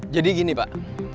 jadi gini pak